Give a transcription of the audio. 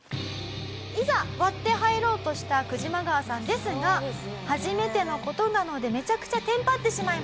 いざ割って入ろうとしたクジマガワさんですが初めての事なのでめちゃくちゃテンパってしまいます。